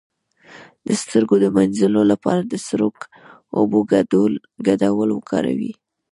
د سترګو د مینځلو لپاره د سړو اوبو ګډول وکاروئ